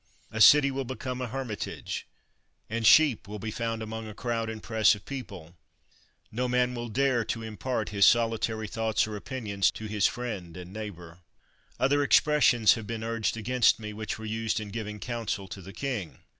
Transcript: A city will become a hermitage, and sheep will be found among a crowd and press of people! No man will dare to impart his solitary thoughts or opinions to his friend and neighbor ! Other expressions have been urged against me, which were used in giving counsel to the king.